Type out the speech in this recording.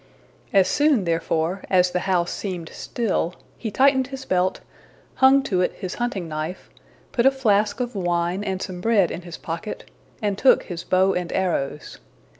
As soon, therefore, as the house seemed still, he tightened his belt, hung to it his hunting knife, put a flask of wine and some bread in his pocket, and took his bow and arrows.